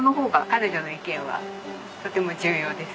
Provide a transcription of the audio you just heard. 彼女の意見はとても重要です。